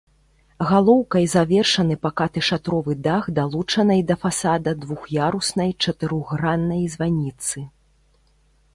Галоўкай завершаны пакаты шатровы дах далучанай да фасада двух'яруснай чатырохграннай званіцы.